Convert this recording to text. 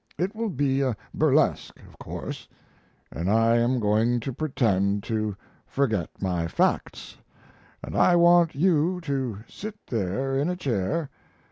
It will be a burlesque, of course, and I am going to pretend to forget my facts, and I want you to sit there in a chair.